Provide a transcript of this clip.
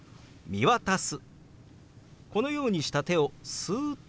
「見渡す」。